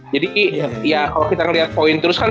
jadi ya kalau kita ngeliat poin terus kan